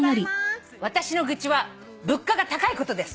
「私の愚痴は物価が高いことです」